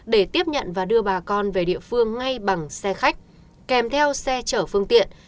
để tiếp nhận và đưa bà con về địa phương ngay bằng xe khách kèm theo xe chở phương tiện